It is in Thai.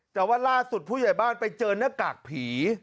แต่ว่าล่าสุดผู้ใหญ่บ้านไปเจอหน้ากากผี